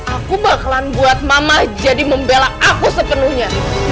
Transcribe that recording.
aku bakalan buat mama jadi membela aku sepenuhnya